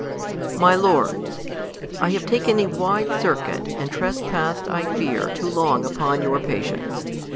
My Lords, I HAVE taken a wide circuit, and trespassed, I feafj too long upon your patience.